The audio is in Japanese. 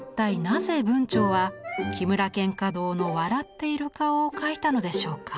なぜ文晁は木村蒹葭堂の笑っている顔を描いたのでしょうか。